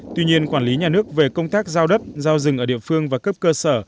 tuy nhiên quản lý nhà nước về công tác giao đất giao rừng ở địa phương và cấp cơ sở